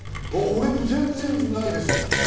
俺、全然ないです。